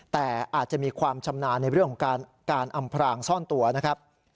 แต่อาจจะมีความชำนาญในเรื่องของการอำพรางซ่อนตัวนะครับ